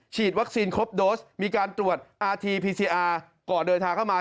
ฉีดวัคซีนครบโดสมีการตรวจอาทีพีซีอาร์ก่อนเดินทางเข้ามา